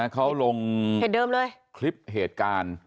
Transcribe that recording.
เขาลงคลิปเหตุการณ์